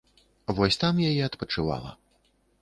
Вось там я і адпачывала.